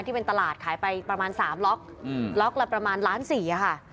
ที่เป็นตลาดขายไปประมาณ๓ล็อกล็อกละประมาณล้านสี่ค่ะ